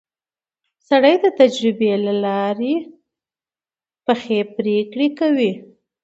سړی د تجربې له لارې پخې پرېکړې کوي